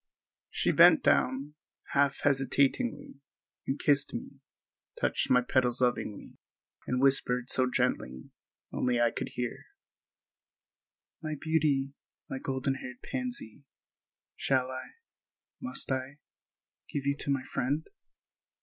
She bent down, half hesitatingly, and kissed me, touched my petals lovingly, and whispered so gently—only I could hear: "My beauty, my golden hearted pansy, shall I—must I—give you to my friend?"